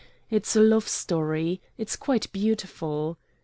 It's a love story. It's quite beautiful."